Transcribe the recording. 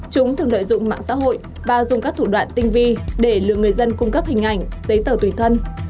chúng thường lợi dụng mạng xã hội và dùng các thủ đoạn tinh vi để lừa người dân cung cấp hình ảnh giấy tờ tùy thân